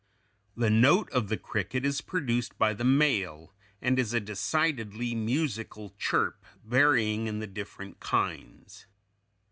The note of the cricket is produced by the male, and is a decidedly musical chirp, varying in the different kinds.